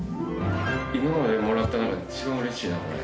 今までもらった中で一番うれしいなこれ。